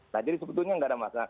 nah jadi sebetulnya nggak ada masalah